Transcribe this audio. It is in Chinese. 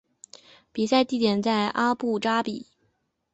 比赛地点在阿布扎比。